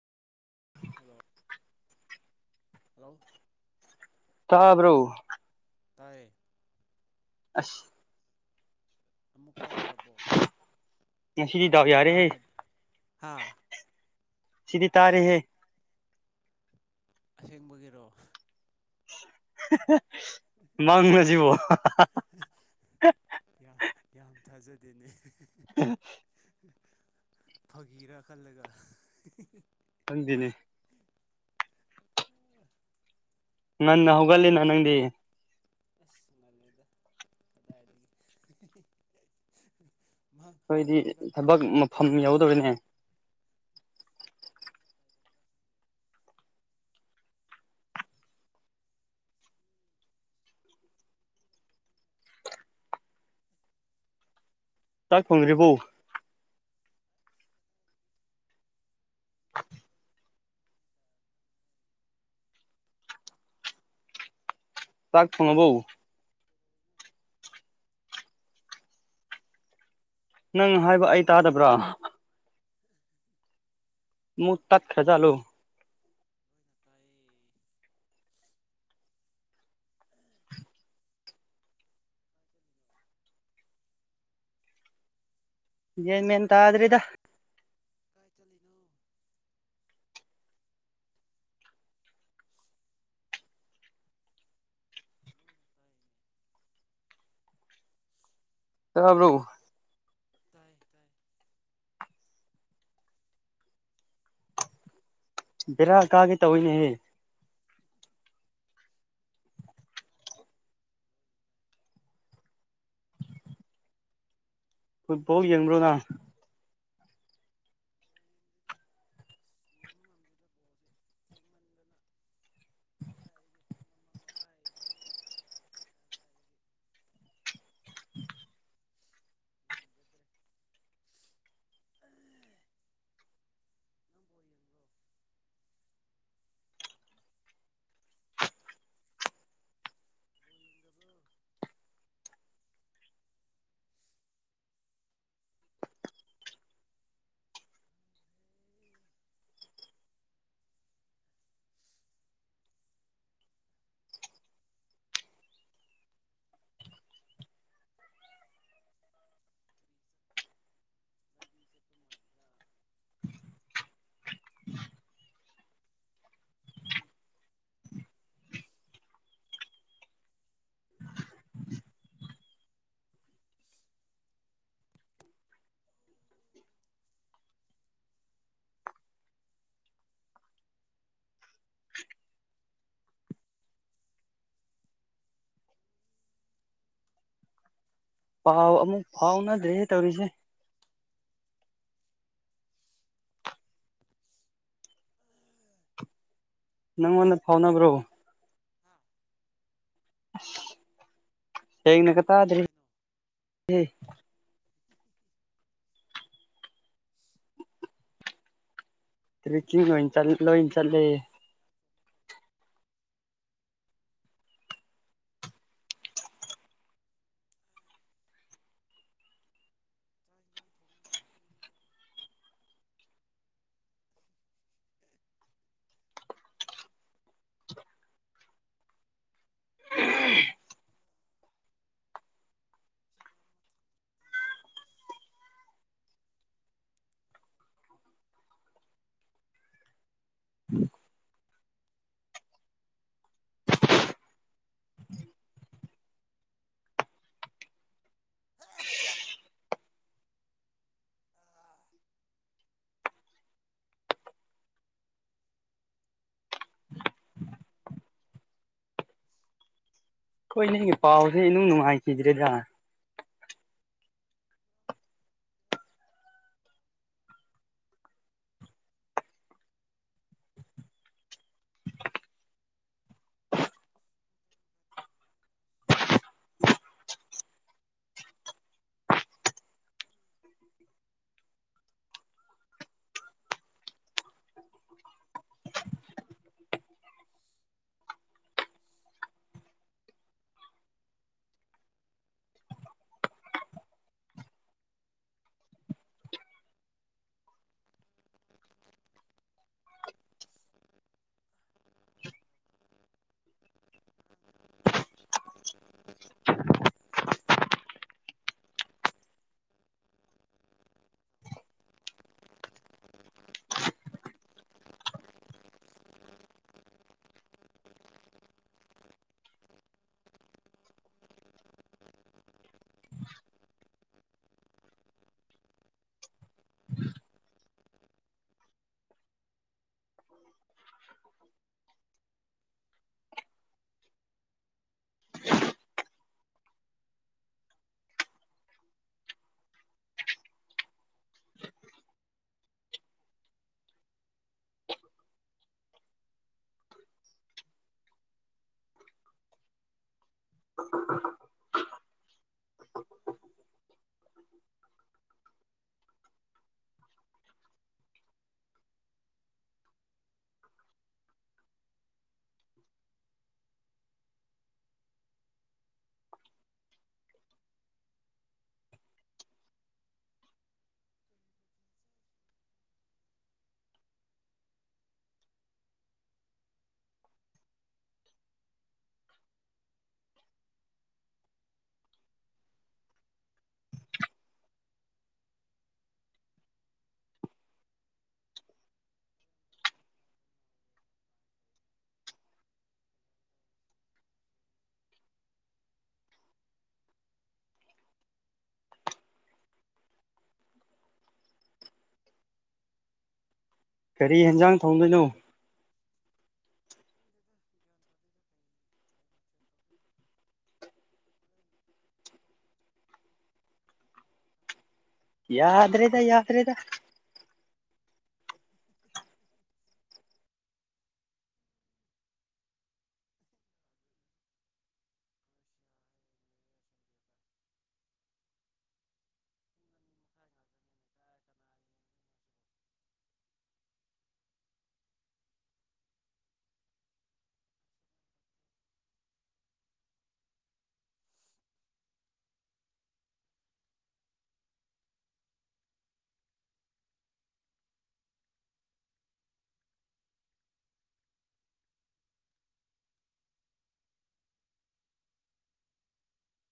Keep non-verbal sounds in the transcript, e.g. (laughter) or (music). (unintelligible) hello ꯇꯥꯕ꯭ꯔꯎ ꯇꯔꯌꯦ ꯑꯁ ꯑꯃꯨꯛ ꯇꯥꯗ꯭ꯔꯕꯣ ꯉꯁꯤꯗꯤꯗꯥ ꯌꯥꯔꯦꯍꯦ ꯇꯥꯗꯕ ꯍꯥ ꯁꯤꯗꯤ ꯇꯥꯔꯦꯍꯦ ꯑꯁꯦꯡꯕꯒꯤꯔꯣ (unintelligible) ꯃꯪꯂꯁꯤꯕ ꯑꯗꯨꯅꯦ (unintelligible) ꯐꯥꯒꯤꯔꯥ ꯈꯜꯂꯒ ꯆꯗꯅꯦ ꯎ ꯅꯟꯅ ꯍꯧꯒꯂꯅ ꯅꯪꯗꯤ ꯑꯁ ꯃꯦꯗ ꯀꯗꯥꯏ ꯑꯩꯈꯣꯏꯗꯤ ꯊꯕꯛ ꯃꯐꯝ ꯂꯣꯏꯅ ꯌꯥꯎꯗꯕꯅꯦ ꯆꯥꯛ ꯐꯪꯉꯔꯤ ꯐꯣ ꯂꯥꯛꯊꯅꯣꯕꯧ ꯅꯪ ꯍꯥꯏꯕ ꯑꯩ ꯇꯥꯗꯕ꯭ꯔꯥ ꯃꯨ ꯇꯥꯛ ꯈꯦꯖꯂꯨ ꯇꯥꯏꯌꯦ ꯀꯥꯏ ꯦꯃꯤ ꯇꯥ꯭ꯔꯗ ꯀꯥꯏꯇ ꯂꯩꯅꯣ ꯂꯣꯏꯅ ꯇꯥꯏꯅꯦ ꯆꯕ꯭ꯔꯎ ꯇꯥꯏ ꯇꯥꯏ ꯕꯦꯔꯥ ꯀꯥꯒꯦ ꯇꯧꯤꯅꯦꯍꯦ ꯐꯨꯠꯕꯣꯜ ꯌꯦꯡꯕ꯭ꯔꯣꯅ ꯀꯥꯗꯦ ꯀꯥꯗꯦ ꯂꯣꯏꯅ ꯕꯣꯜ ꯌꯦꯡꯗꯦꯗ ꯑꯁ ꯌꯦꯡꯕ ꯉꯝꯗꯦꯗ ꯕꯣꯜꯁꯦ ꯊꯦꯡꯃꯟꯗꯅ ꯀꯗꯥꯏꯗꯒꯤ ꯄꯨꯡ ꯑꯃ ꯃꯈꯥꯏ ꯕꯥꯔꯣ ꯃꯈꯥꯏ ꯇꯥꯔꯗꯤ (unintelligible) (unintelligible) ꯀꯗꯥꯏꯗꯒꯤ ꯉꯝꯖꯗ꯭ꯔꯦ ꯅꯪ (unintelligible) ꯕꯣꯜ ꯌꯦꯡꯕ꯭ꯔꯣ (unintelligible) ꯗ ꯑꯦ ꯆꯃꯔꯗ ꯄꯥꯎ ꯑꯃꯨꯛ ꯐꯥꯎꯅꯗ꯭ꯔꯦ ꯇꯧꯔꯤꯁꯦ ꯃꯥꯜꯂꯤꯗ ꯅꯪꯉꯣꯟꯗ ꯇꯥꯕ꯭ꯔꯣ ꯐꯥꯎꯅꯕ꯭ꯔꯣ ꯍꯥ ꯍꯦꯡꯅ ꯀ ꯇꯗ ꯀꯔꯤ ꯍꯥꯏꯅꯣ ꯑꯁ ꯇꯔꯤꯀꯤꯤꯡ ꯆꯠ ꯂꯣꯏ ꯆꯠꯂꯦꯦ ꯆꯥꯛ ꯊꯣꯡꯕ ꯇꯜꯂꯦ ꯍꯣꯏꯅꯦ ꯄꯥꯎꯁꯦꯅꯨꯡ ꯅꯨꯡꯉꯥꯏꯈꯤꯗ꯭ꯔꯦꯗ ꯀꯔꯤ ꯌꯦꯦꯟꯖꯥꯡ ꯊꯣꯡꯗꯣꯏꯅꯣ ꯑꯥꯏ ꯆꯥꯛ ꯏꯟꯖꯥꯡ ꯊꯣꯡꯅꯕ ꯅꯨꯄꯤ ꯑꯃ ꯂꯧꯔꯁꯤ ꯁꯤꯗ ꯑꯃ ꯊꯝꯗ꯭ꯔꯗꯤ ꯌꯥꯔꯔꯣꯏ ꯑꯁ ꯑꯥ ꯇꯥꯕ ꯃꯥꯜꯂꯦ ꯌꯦꯡꯗꯕ ꯈꯪꯗꯦꯗ ꯒ꯭ꯌꯥꯟ ꯇꯥꯗꯦꯗ ꯀꯩ ꯀꯩ ꯃꯊꯦꯜ ꯇꯧꯗꯣꯏꯅꯣ ꯍꯣꯔꯦꯟ ꯀ꯭ꯔꯣꯁꯤꯌꯥ ꯍꯌꯦꯡ ꯂꯩꯔꯦ ꯌꯥꯗ꯭ꯔꯦꯗ ꯌꯥꯗ꯭ꯔꯦꯗ ꯁꯟꯗꯦꯗ ꯄꯨꯡ ꯑꯅꯤ ꯃꯈꯥꯏ ꯉꯥꯛꯇꯅꯤꯅꯦ ꯀꯥꯏ ꯀꯅꯥ ꯌꯦꯡ